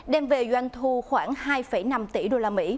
đem về doanh thu khoảng hai năm tỷ usd